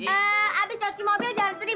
habis cuci mobil jangan sedih